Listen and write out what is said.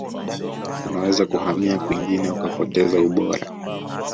unaweza kuhamia kwingine ukapoteza ubora